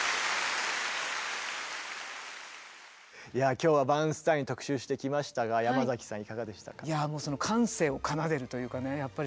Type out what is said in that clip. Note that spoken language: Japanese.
今日はバーンスタイン特集してきましたがヤマザキさんいかがでしたか？